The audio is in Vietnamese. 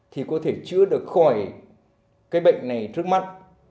thì có thể chữa được khỏi cái bệnh này trước mắt